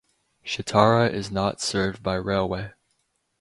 Shitara is not served by railway.